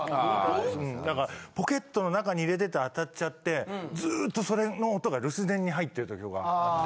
ポケットの中に入れてて当たっちゃってずっとそれの音が留守電に入ってる時とかあって。